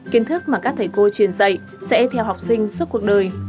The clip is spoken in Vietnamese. kiến thức mà các thầy cô truyền dạy sẽ theo học sinh suốt cuộc đời